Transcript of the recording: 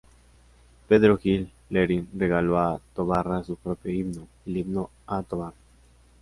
Pedro Gil Lerín regaló a Tobarra su propio himno, el "Himno a Tobarra".